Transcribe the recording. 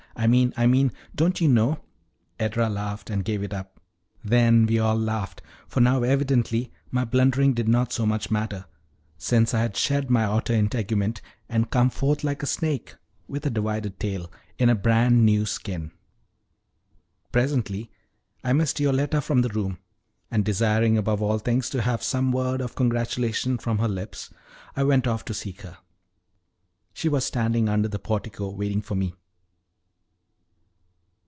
I mean I mean don't you know " Edra laughed and gave it up. Then we all laughed; for now evidently my blundering did not so much matter, since I had shed my outer integument, and come forth like a snake (with a divided tail) in a brand new skin. Presently I missed Yoletta from the room, and desiring above all things to have some word of congratulation from her lips, I went off to seek her. She was standing under the portico waiting for me.